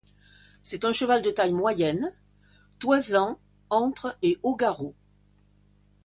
C'est un cheval de taille moyenne, toisant entre et au garrot.